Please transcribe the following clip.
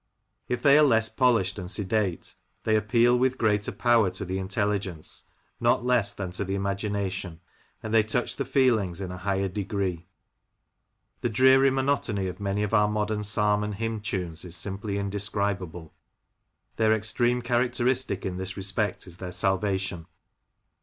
If they are less polished and sedate, they appeal with greater power to the intelligence, not less than to the imagination, and they touch the feelings in a higher degree. The dreary monotony of many of our modern psalm and hymn tunes is simply indescribable ; their extreme characteristic in this respect is their salvation.